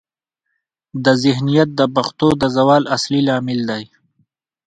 دا ذهنیت د پښتو د زوال اصلي لامل دی.